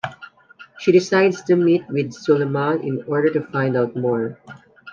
She decides to meet with Suleiman in order to find out more.